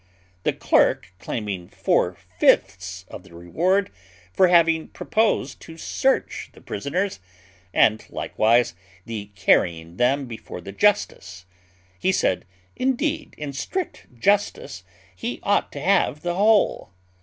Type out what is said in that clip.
The clerk claimed four fifths of the reward for having proposed to search the prisoners, and likewise the carrying them before the justice: he said, "Indeed, in strict justice, he ought to have the whole."